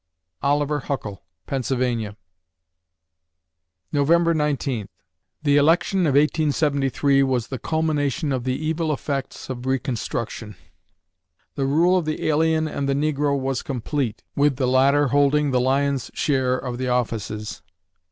OLIVER HUCKEL (Pennsylvania) November Nineteenth The election of 1873 was the culmination of the evil effects of reconstruction. The rule of the alien and the negro was complete, with the latter holding the lion's share of the offices.